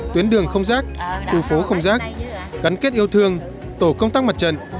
tuyến đường không rác tù phố không rác gắn kết yêu thương tổ công tác mặt trận